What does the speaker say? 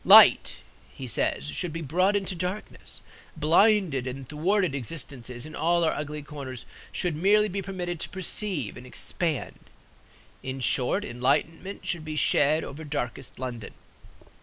Light (he says) should be brought into darkness; blinded and thwarted existences in all our ugly corners should merely be permitted to perceive and expand; in short, enlightenment should be shed over darkest London.